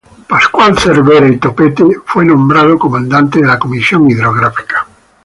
Pascual Cervera y Topete fue nombrado comandante de la comisión hidrográfica.